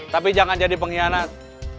tapi jangan jadi pengkhianat